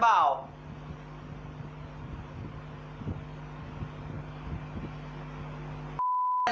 เข้าใจวะ